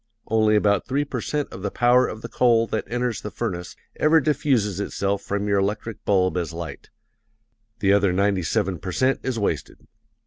Only about three per cent of the power of the coal that enters the furnace ever diffuses itself from your electric bulb as light the other ninety seven per cent is wasted.